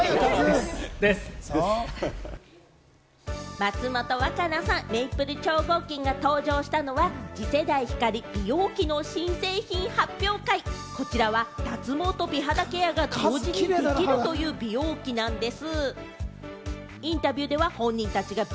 松本若菜さん、メイプル超合金が登場したのは、次世代美容器の新製品発表会、こちらは脱毛と美肌ケアが同時にできるという美容器なんです。